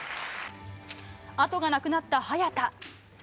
後がなくなった早田。